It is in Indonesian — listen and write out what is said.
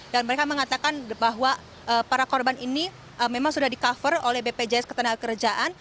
dan mereka mengatakan bahwa para korban ini memang sudah di cover oleh bpjs ketenagakerjaan